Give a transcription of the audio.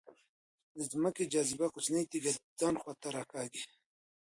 د ځمکې جاذبه کوچنۍ تیږې د ځان خواته راکاږي.